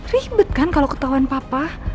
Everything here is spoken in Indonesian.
ribet kan kalo ketauan papa